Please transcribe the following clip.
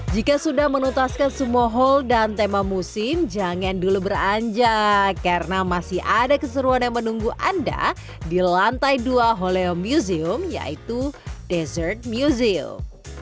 jika sudah menutaskan semua hole dan tema musim jangan dulu beranjak karena masih ada keseruan yang menunggu anda di lantai dua holeo museum yaitu dessert museum